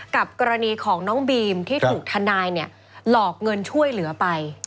กรณีของน้องบีมที่ถูกทนายเนี่ยหลอกเงินช่วยเหลือไป